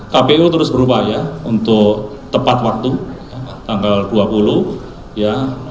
kpu terus berupaya untuk tepat waktu tanggal dua puluh ya